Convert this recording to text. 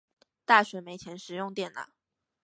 大學沒錢時用電腦